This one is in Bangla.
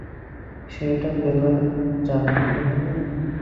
সে এটা পেলে জানব কীভাবে?